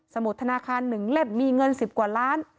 สมุทรธนาคารหนึ่งเล็บมีเงิน๑๐กว่าล้าน